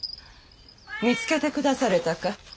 見つけてくだされたか。